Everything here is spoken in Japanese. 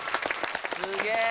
すげえ